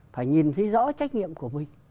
phải nhìn thấy rõ trách nhiệm của mình